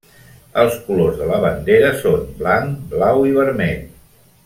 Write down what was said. Els colors de la bandera són: blanc, blau i vermell.